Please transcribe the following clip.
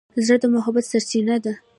زړه د محبت سرچینه ده.